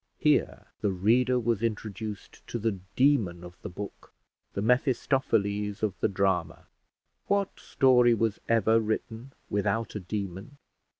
Here the reader was introduced to the demon of the book, the Mephistopheles of the drama. What story was ever written without a demon?